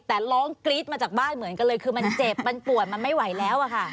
แต่ร้องกรี๊ดมาจากบ้านเหมือนกันเลยคือมันเจ็บมันปวดมันไม่ไหวแล้วอะค่ะ